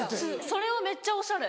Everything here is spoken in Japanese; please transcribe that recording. それはめっちゃおしゃれ。